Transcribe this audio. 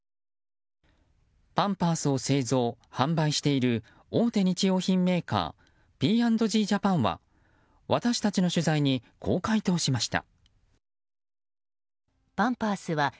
パンパースを製造・販売している大手日用品メーカーＰ＆Ｇジャパンは私たちの取材にこう回答しました。